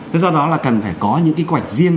tại do đó là cần phải có những quy hoạch riêng